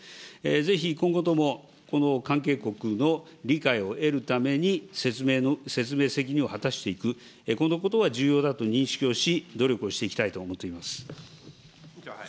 ぜひ今後とも、この関係国の理解を得るために、説明責任を果たしていく、このことは重要だと認識をし、努力をしていきたいと思っています。